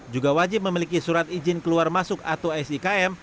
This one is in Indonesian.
juga wajib memiliki surat izin keluar masuk atau sikm